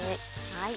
はい。